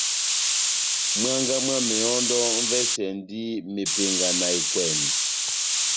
Mwángá mwá mehɔndɔ m'vɛsɛndi mepenga na ekwèmi.